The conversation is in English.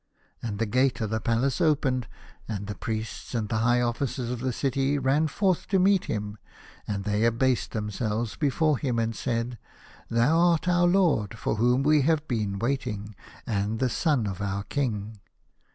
And the gate of the palace opened, and the priests and the high officers of the city ran forth to meet him, and they abased themselves before him, and said, " Thou art 155 A House of Pomegranates. our lord for whom we have been waiting, and the son of our Kin^."